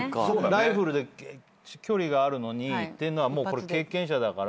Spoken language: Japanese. ライフルで距離があるのにっていうのはもうこれ経験者だから。